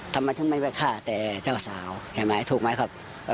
ทำไมถึงไม่ไปฆ่าแต่เจ้าสาวใช่ไหมถูกไหมครับ